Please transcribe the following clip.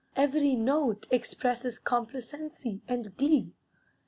Every note expresses complacency and glee.